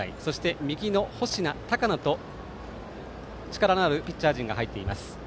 右は星名、高野と力のあるピッチャー陣が入っています。